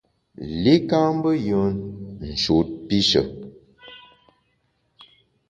Li ka mbe yùen, nshut pishe.